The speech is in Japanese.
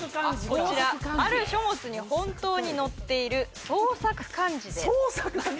こちらある書物に本当に載っている創作漢字です・創作漢字？